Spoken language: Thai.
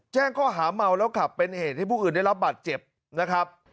แจ้งข้อหาเมาแล้วขับเป็นเหตุให้ผู้อื่นได้รับบาดเจ็บนะครับ